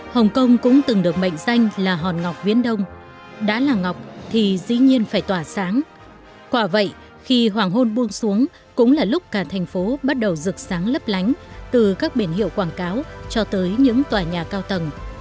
hãy đăng ký kênh để ủng hộ kênh của chúng mình nhé